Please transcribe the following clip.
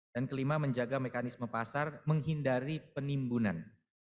dan kelima menjaga mekanisme pasar menghindari penimbunan